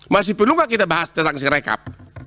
masih perlu nggak kita bahas tentang sirekap